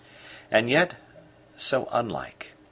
And yet so unlike.